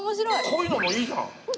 こういうのもいいじゃん。